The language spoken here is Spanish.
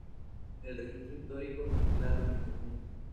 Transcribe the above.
El registro histórico no es claro en este punto.